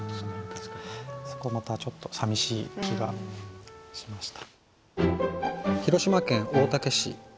そこまたちょっとさみしい気がしました。